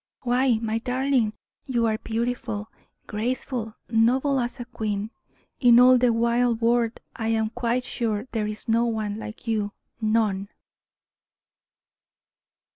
Why, my darling, you are beautiful, graceful, noble as a queen. In all the wide world I am quite sure there is no one like you none."